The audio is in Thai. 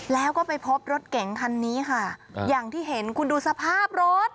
แล้วก็ไปพบรถเก๋งคันนี้ค่ะอย่างที่เห็นคุณดูสภาพรถ